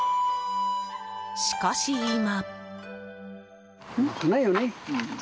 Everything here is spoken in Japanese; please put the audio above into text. しかし、今。